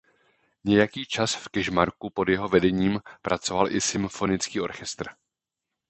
Nějaký čas v Kežmarku pod jeho vedením pracoval i symfonický orchestr.